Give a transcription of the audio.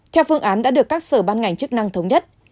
theo phương án đã được các sở ban ngành chức năng thống nhất